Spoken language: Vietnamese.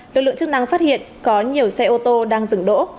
lực lượng chức năng phát hiện có nhiều xe ô tô đang dừng đỗ